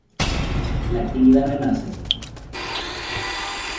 La actividad renace.